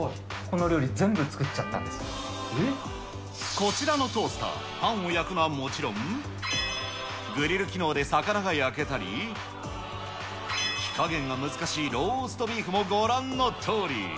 こちらのトースター、パンを焼くのはもちろん、グリル機能で魚が焼けたり、火加減が難しいローストビーフもご覧のとおり。